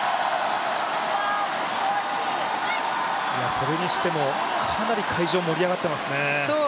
それにしてもかなり会場盛り上がってますね。